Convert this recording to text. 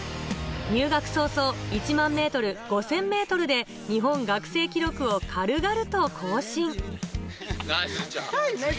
入学早々、１００００ｍ、５０００ｍで日本学生記録を軽々と更新。